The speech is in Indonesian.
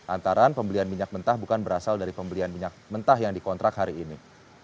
antara pembelian minyak mentah bukan berasal dari pembelian minyak mentah yang dikontrak hari ini